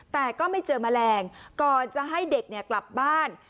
แต่ก็ไม่เจอแมลงก่อนจะให้เด็กกลับบ้าน